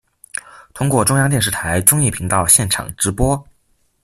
通过中央电视台综艺频道现场直播。